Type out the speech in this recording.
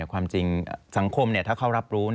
ความจริงสังคมถ้าเขารับรู้